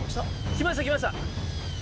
きましたきました！